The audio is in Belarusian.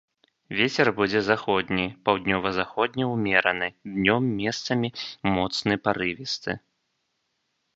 Вецер будзе заходні, паўднёва-заходні ўмераны, днём месцамі моцны парывісты.